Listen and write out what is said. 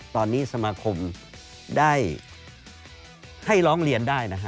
ตอนนี้สมาคมได้ให้ร้องเรียนได้นะฮะ